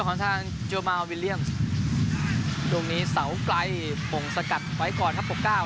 มือของทางเจอมาลวิลเลียมตรงนี้เสาไกลปงสกัดไว้ก่อนครับปกก้าว